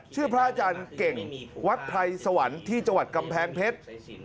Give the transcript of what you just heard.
พระอาจารย์เก่งวัดไพรสวรรค์ที่จังหวัดกำแพงเพชร